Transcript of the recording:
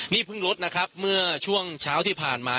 นี่เพิ่งลดนะครับเมื่อช่วงเช้าที่ผ่านมา